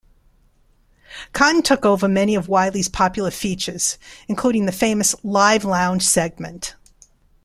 Cotton took over many of Whiley's popular features including the famous Live Lounge segment.